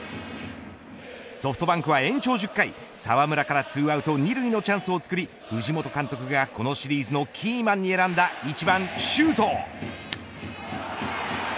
ソフトバンクは延長１０回澤村から２アウト２塁のチャンスをつくり藤本監督が、このシリーズのキーマンに選んだ１番、周東。